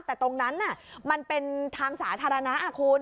แต่ตรงนั้นมันเป็นทางสาธารณะคุณ